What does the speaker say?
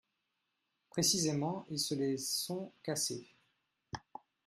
Précisément, ils se les sont cassées